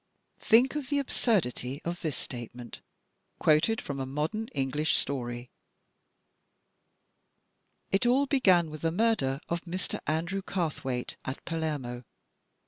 Think of the absurdity of this state ment, quoted from a modem English story: DEVIOUS DEVICES . 1 79 It all began with the murder of Mr. Andrew Carrthwaite, at Palermo.